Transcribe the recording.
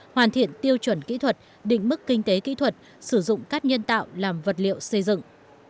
hoàn thiện tiêu chuẩn kỹ thuật định mức kinh tế kỹ thuật sử dụng cát nhân tạo làm vật liệu xây dựng